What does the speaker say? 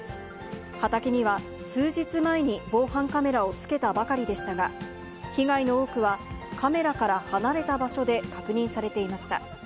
畑には数日前に防犯カメラを付けたばかりでしたが、被害の多くはカメラから離れた場所で確認されていました。